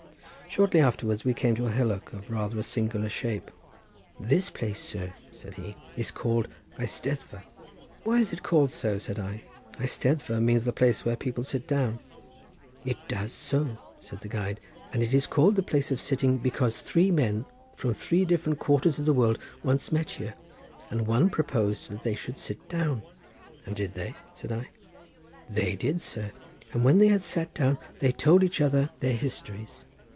Shortly afterwards we came to a hillock of rather a singular shape. "This place, sir," said he, "is called Eisteddfa." "Why is it called so?" said I. "Eisteddfa means the place where people sit down." "It does so," said the guide, "and it is called the place of sitting because three men from different quarters of the world once met here, and one proposed that they should sit down." "And did they?" said I. "They did, sir; and when they had sat down they told each other their histories."